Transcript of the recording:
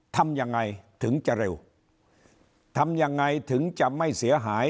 ทำยังไงถึงจะเร็วทำยังไงถึงจะไม่เสียหาย